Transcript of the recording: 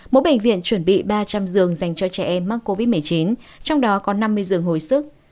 mỗi bệnh viện chuẩn bị ba trăm linh giường dành cho trẻ em mắc covid một mươi chín trong đó có năm mươi giường hồi sức